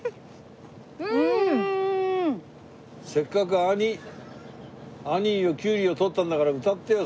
せっかくアニーよキュウリをとったんだから歌ってよ